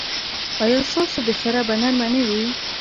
ایا ستاسو بستره به نرمه نه وي؟